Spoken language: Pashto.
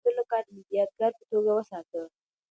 الوتکې ته د ننوتلو کارډ مې د یادګار په توګه وساته.